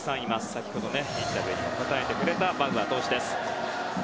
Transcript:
先ほど、インタビューにも答えてくれたバウアー投手です。